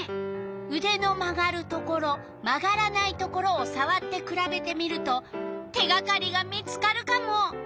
うでの曲がるところ曲がらないところをさわってくらべてみると手がかりが見つかるカモ。